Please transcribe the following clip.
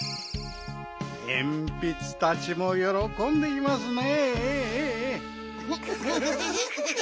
えんぴつたちもよろこんでいますね。